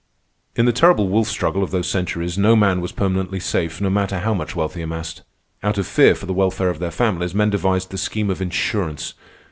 In the terrible wolf struggle of those centuries, no man was permanently safe, no matter how much wealth he amassed. Out of fear for the welfare of their families, men devised the scheme of insurance.